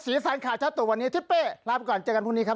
ศรีสรรคาชะตุวันนี้ทิพเปลาไปก่อนเจอกันภวนี้ครับ